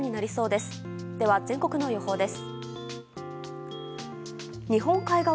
では全国の予報です。